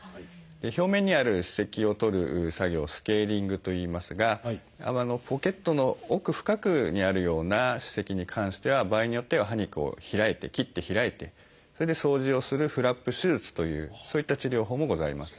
表面にある歯石を取る作業をスケーリングといいますがポケットの奥深くにあるような歯石に関しては場合によっては歯肉を開いて切って開いてそれで掃除をするフラップ手術というそういった治療法もございます。